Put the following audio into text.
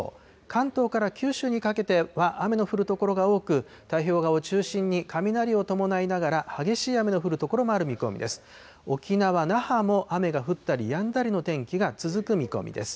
関東から九州にかけては雨の降る所が多く、太平洋側を中心に、雷を伴いながら、激しい雨の降る所もある見込みです。